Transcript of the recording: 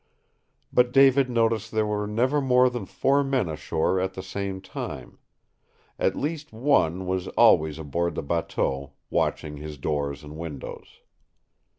But David noticed there were never more than four men ashore at the same time. At least one was always aboard the bateau, watching his door and windows.